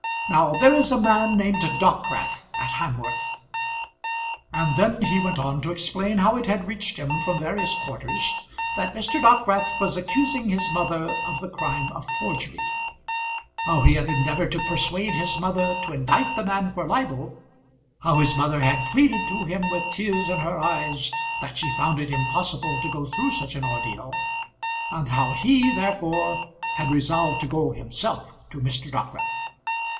Now there is a man named Dockwrath in Hamworth ;" and then he went on to explain how it had reached him from various quarters that Mr. Dockwrath was accusing his mother of the crime of forgery; how he had endeavoured to persuade his mother to indict the man for libel; how his mother had pleaded to him with tears in her eyes that she found it impossible to go through such an ordeal; and how he, therefore, had resolved to go himself to Mr. Dockwrath.